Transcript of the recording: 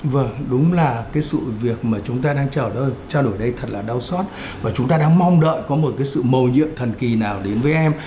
vâng đúng là cái sự việc mà chúng ta đang chờ trao đổi đây thật là đau xót và chúng ta đang mong đợi có một cái sự mồ nhiệm thần kỳ nào đến với em